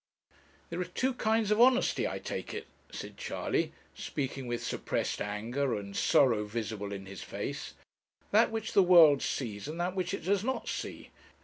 'There are two kinds of honesty, I take it,' said Charley, speaking with suppressed anger and sorrow visible in his face, 'that which the world sees and that which it does not see.